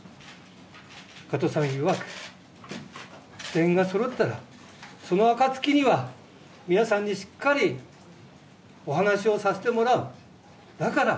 加藤さんいわく、全員がそろったら、そのあかつきには、皆さんにしっかりお話をさせてもらう、だから、